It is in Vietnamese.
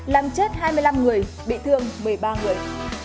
làm chết hai mươi năm người bị thương một mươi ba người